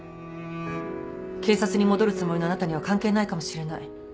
警察に戻るつもりのあなたには関係ないかもしれない。